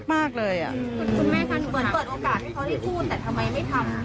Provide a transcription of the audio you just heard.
คุณแม่ค่ะเหมือนเปิดโอกาสให้เขาได้พูดแต่ทำไมไม่ทำ